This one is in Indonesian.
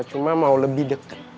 cuma mau lebih deket